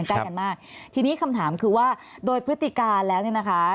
ใกล้กันมากทีนี้คำถามคือว่าโดยพฤติการแล้วเนี่ยนะคะ